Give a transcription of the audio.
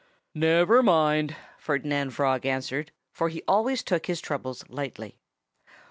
"Never mind!" Ferdinand Frog answered, for he always took his troubles lightly.